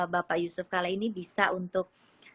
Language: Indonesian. bapak yusuf kala ini bisa untuk